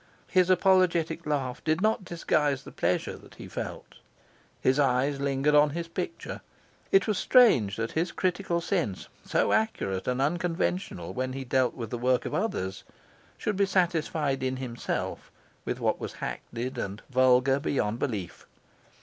His apologetic laugh did not disguise the pleasure that he felt. His eyes lingered on his picture. It was strange that his critical sense, so accurate and unconventional when he dealt with the work of others, should be satisfied in himself with what was hackneyed and vulgar beyond belief.